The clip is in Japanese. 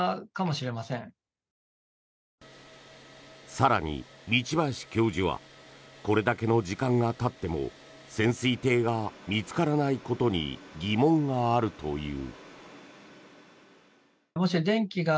更に、道林教授はこれだけの時間がたっても潜水艇が見つからないことに疑問があるという。